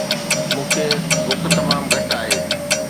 مون کي بک تمام گهٽ آهي